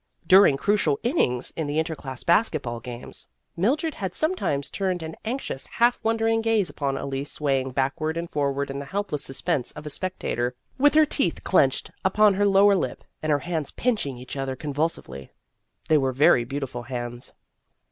During crucial innings in the inter class basket ball games, Mildred had sometimes turned an anxious, half wondering gaze upon Elise swaying back ward and forward in the helpless suspense of a spectator, with her teeth clenched upon her lower lip and her hands pinching each other convulsively. They were very beautiful hands.